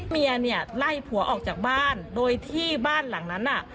เมียเนี่ยไล่ผัวออกจากบ้านโดยที่บ้านหลังนั้นน่ะ